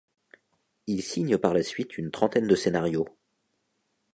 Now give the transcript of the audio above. Il signe par la suite une trentaine de scénarios.